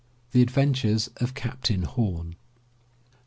The Adventures of Captain Horn.